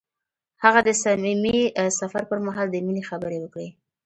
هغه د صمیمي سفر پر مهال د مینې خبرې وکړې.